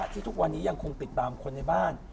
ทุกวันนี้ยังคงติดตามคนในบ้าน